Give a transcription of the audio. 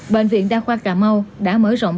bệnh viện đa khoa cà mau đã mở rộng